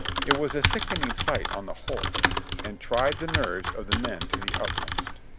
It was a sickening sight on the v/hole, and tried the nerves of the men to the utmost.